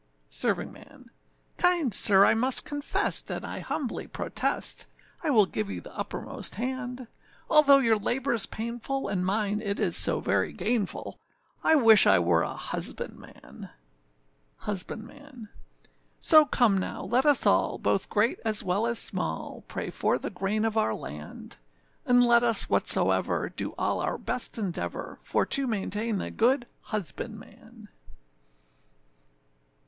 SERVINGMAN. Kind sir! I must confessât, and I humbly protest I will give you the uppermost hand; Although your labourâs painful, and mine it is so very gainful, I wish I were a husbandman. HUSBANDMAN. So come now, let us all, both great as well as small, Pray for the grain of our land; And let us, whatsoever, do all our best endeavour, For to maintain the good husbandman.